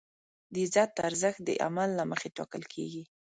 د عزت ارزښت د عمل له مخې ټاکل کېږي.